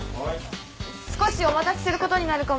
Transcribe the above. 少しお待たせすることになるかも。